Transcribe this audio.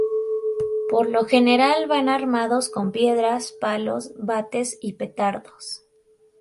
Por lo general van armados con piedras, palos, bates y petardos.